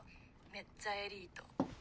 めっちゃエリート。